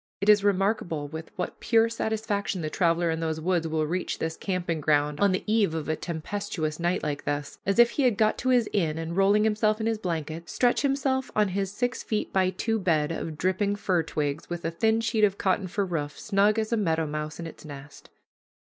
It is remarkable with what pure satisfaction the traveler in those woods will reach his camping ground on the eve of a tempestuous night like this, as if he had got to his inn, and, rolling himself in his blanket, stretch himself on his six feet by two bed of dripping fir twigs, with a thin sheet of cotton for roof, snug as a meadow mouse in its nest.